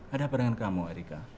ada apa dengan kamu erika